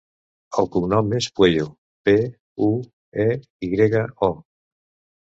El cognom és Pueyo: pe, u, e, i grega, o.